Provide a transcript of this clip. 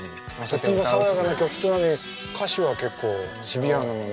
とっても爽やかな曲調なのに歌詞は結構シビアなのねっていう。